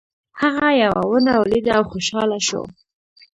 هغه یوه ونه ولیده او خوشحاله شو.